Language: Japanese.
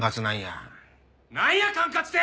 なんや管轄て！